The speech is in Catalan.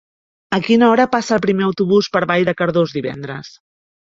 A quina hora passa el primer autobús per Vall de Cardós divendres?